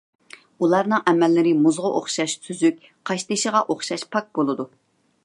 ئۇلارنىڭ ئەمەللىرى مۇزغا ئوخشاش سۈزۈك، قاشتېشىغا ئوخشاش پاك بولىدۇ.